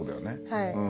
はい。